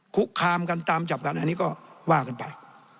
คุกคามกันตามจับกันอันนี้ก็ว่ากันไป